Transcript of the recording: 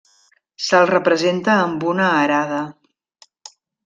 Se'l representa amb una arada.